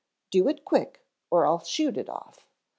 Do it quick or I'll shoot it off.